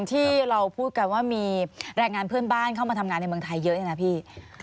ที่เราพูดกันว่ามีแรงงานเพื่อนบ้านเข้ามาทำงานในเมืองไทยเยอะเนี่ยนะพี่